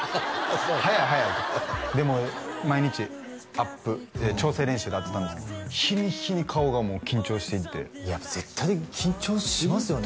「早い早い」でも毎日アップ調整練習だっつったんですけど日に日に顔がもう緊張していっていや絶対緊張しますよね